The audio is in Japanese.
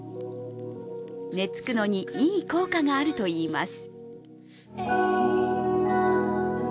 寝つくのに、いい効果があるといいます。